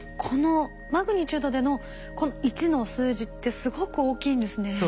このマグニチュードでのこの１の数字ってすごく大きいんですね。